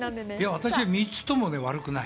私は３つとも悪くない。